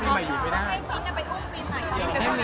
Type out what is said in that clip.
ปัญหาปีอยู่มั้ยนะ